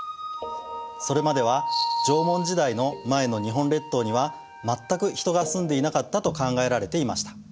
それまでは縄文時代の前の日本列島には全く人が住んでいなかったと考えられていました。